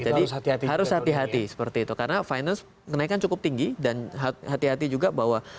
jadi harus hati hati seperti itu karena finance kenaikan cukup tinggi dan hati hati juga bahwa